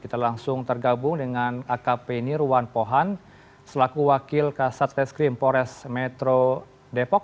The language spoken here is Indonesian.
kita langsung tergabung dengan akp nirwan pohan selaku wakil kasat reskrim pores metro depok